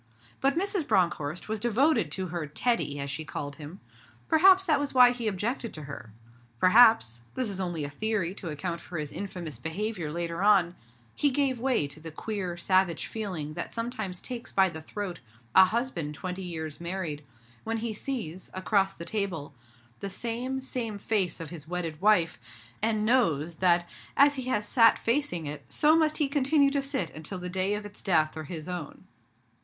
But Mrs. Bronckhorst was devoted to her 'Teddy' as she called him. Perhaps that was why he objected to her. Perhaps this is only a theory to account for his infamous behaviour later on he gave way to the queer, savage feeling that sometimes takes by the throat a husband twenty years married, when he sees, across the table, the same, same face of his wedded wife, and knows that, as he has sat facing it, so must he continue to sit until the day of its death or his own.